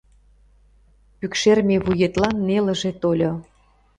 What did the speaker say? Пӱкшерме вуетлан нелыже тольо.